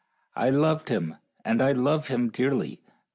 I loved him, and I love him dearly.